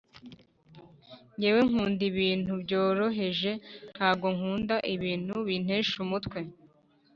Ngewe nkunda ibintu byoroheje ntago nkunda ibintu bintesha umutwe